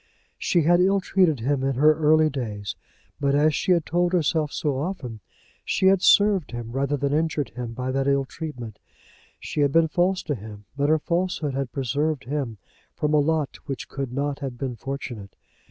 She had ill treated him in her early days; but, as she had told herself so often, she had served him rather than injured him by that ill treatment. She had been false to him; but her falsehood had preserved him from a lot which could not have been fortunate.